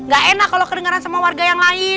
gak enak kalau kedengeran sama warga yang lain